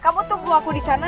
kamu tunggu aku di sana